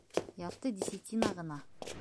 Ярты десятина ғына.